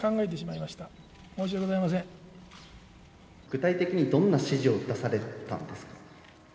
具体的にどんな指示を出されたんですか。